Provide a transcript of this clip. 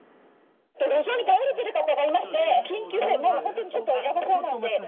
路上に倒れている方がいまして、緊急でもう本当に、ちょっとやばそうな感じで。